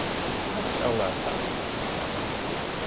Kas, ellē, tas?